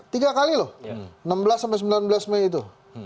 tiga kali loh enam belas sampai sembilan belas mei itu